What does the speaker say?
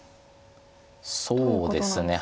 そうですねはい。